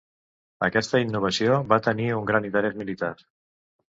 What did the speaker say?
Aquesta innovació va tenir un gran interès militar.